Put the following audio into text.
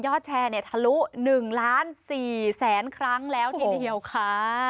ยอดแชร์เนี่ยทะลุ๑๔๐๐๐๐๐ครั้งแล้วทีเดียวค่ะ